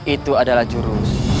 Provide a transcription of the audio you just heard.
itu adalah jurus